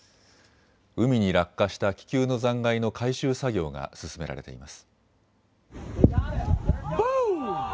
海に落下した気球の残骸の回収作業が進められています。